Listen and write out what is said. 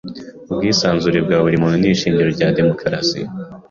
Ubwisanzure bwa buri muntu ni ishingiro rya demokarasi.